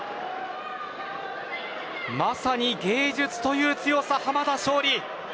まさに芸術という強さ濱田尚里。